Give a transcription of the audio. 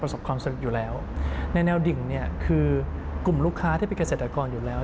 ความสนุกอยู่แล้วในแนวดิ่งเนี่ยคือกลุ่มลูกค้าที่เป็นเกษตรกรอยู่แล้ว